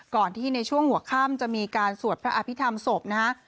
ที่ในช่วงหัวค่ำจะมีการสวดพระอภิษฐรรมศพนะฮะ